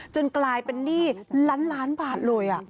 กลายเป็นหนี้ล้านล้านบาทเลย